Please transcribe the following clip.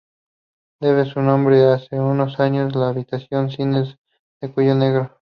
Debe su nombre a que hace unos años la habitaban cisnes de cuello negro.